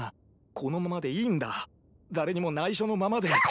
このままでいいんだ誰にも内緒のままで。